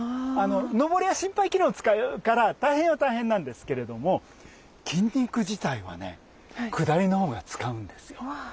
のぼりは心肺機能使うから大変は大変なんですけれども筋肉自体はねくだりのほうが使うんですよ。